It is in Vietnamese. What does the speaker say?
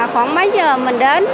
khoảng mấy giờ mình đến